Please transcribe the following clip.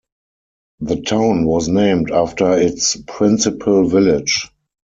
The town was named after its principal village.